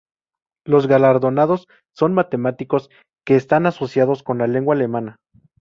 Los galardonados son matemáticos que están asociadas con la lengua alemana.